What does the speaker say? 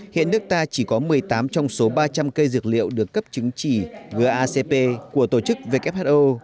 hiện nước ta chỉ có một mươi tám trong số ba trăm linh cây dược liệu được cấp chứng chỉ gacp của tổ chức who